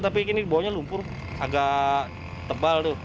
tapi ini bawahnya lumpur agak tebal tuh